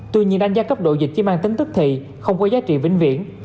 tuy nhiên đánh giá cấp độ dịch chỉ mang tính tức thị không có giá trị vĩnh viễn